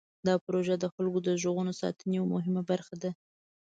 دا پروژه د خلکو د غږونو د ساتنې یوه مهمه برخه ده.